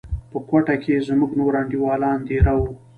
په کوټه کښې زموږ نور انډيوالان دېره وو.